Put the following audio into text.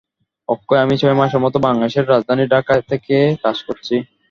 অক্ষয় আমি ছয় মাসের মতো বাংলাদেশের রাজধানী ঢাকায় থেকে কাজ করেছি।